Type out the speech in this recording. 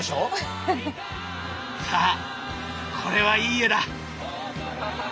ハハッこれはいい絵だ。